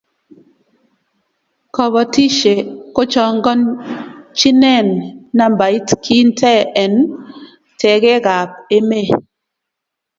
kabotishee kuchongonchineeen nambait kintee en tekeekab emee